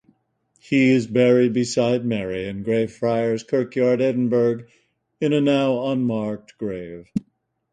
He is buried beside Mary in Greyfriars Kirkyard, Edinburgh, in a now-unmarked grave.